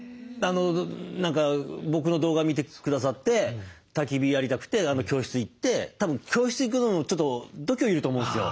何か僕の動画見てくださってたき火やりたくて教室行ってたぶん教室行くのもちょっと度胸要ると思うんですよ。